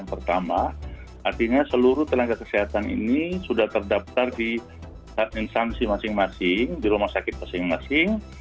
pertama artinya seluruh tenaga kesehatan ini sudah terdaftar di instansi masing masing di rumah sakit masing masing